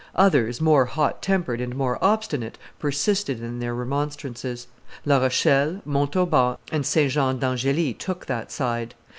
Others, more hot tempered and more obstinate, persisted in their remonstrances. La Rochelle, Montauban, and St. Jean d'Angely took that side.